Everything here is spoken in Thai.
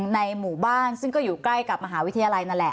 ในหมู่บ้านซึ่งก็อยู่ใกล้กับมหาวิทยาลัยนั่นแหละ